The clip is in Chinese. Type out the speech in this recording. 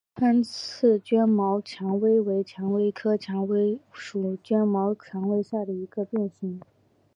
宽刺绢毛蔷薇为蔷薇科蔷薇属绢毛蔷薇下的一个变型。